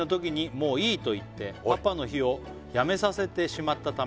「もういいと言ってパパの日をやめさせてしまったため」